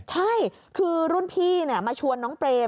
ใช่คือรุ่นพี่มาชวนน้องเปรม